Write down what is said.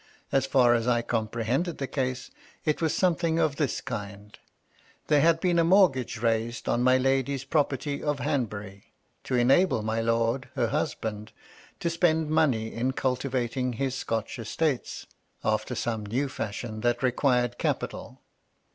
As far as I comprehended the case, it was something of this kind :— ^There had heen a mortgage raised on my lady's property of Han hury, to enahle my lord, her husband, to spend money in cultivating his Scotch estates, after some new fashion that required capital.